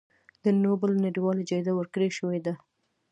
د نوبل نړیواله جایزه ورکړی شوې ده.